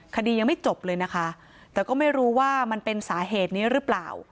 คดียังไม่จบเลยนะคะแต่ก็ไม่รู้ว่ามันเป็นสาเหตุนี้หรือเปล่า